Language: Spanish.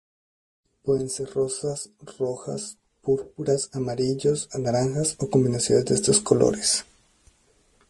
Pueden ser rosas, rojos, púrpuras, amarillos, naranjas o combinaciones de varios de estos colores.